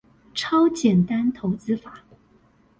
超簡單投資法